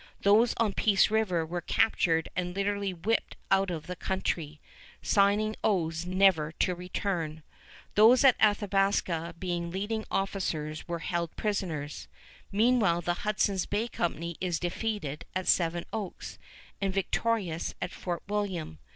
Those on Peace River were captured and literally whipped out of the country, signing oaths never to return. Those at Athabasca being leading officers were held prisoners. Meanwhile the Hudson's Bay Company is defeated at Seven Oaks and victorious at Fort William.